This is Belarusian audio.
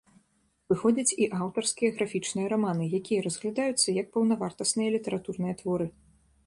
Выходзяць і аўтарскія графічныя раманы, якія разглядаюцца як паўнавартасныя літаратурныя творы.